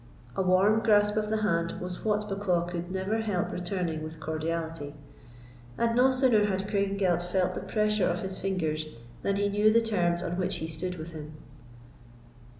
A warm grasp of the hand was what Bucklaw could never help returning with cordiality, and no sooner had Craigengelt felt the pressure of his fingers than he knew the terms on which he stood with him.